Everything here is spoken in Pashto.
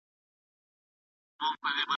روغ ماشومان د دې هڅو موخه ده.